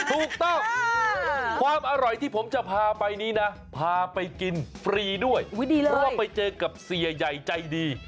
ถูกต้องความอร่อยที่ผมจะพาไปนี้นะพาไปกินฟรีด้วยเพราะว่าไปเจอกับเสียใหญ่ใจดี